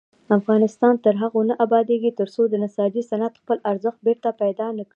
افغانستان تر هغو نه ابادیږي، ترڅو د نساجي صنعت خپل ارزښت بیرته پیدا نکړي.